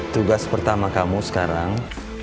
tugas pertama kamu sekarang